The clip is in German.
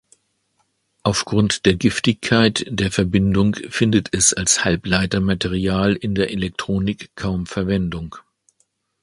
Aufgrund der Giftigkeit der Verbindung findet es als Halbleitermaterial in der Elektronik kaum Verwendung.